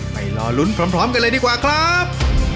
ไปรอลุ้นพร้อมกันเลยดีกว่าครับ